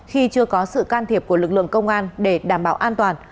khi chưa có sự can thiệp của lực lượng công an để đảm bảo an toàn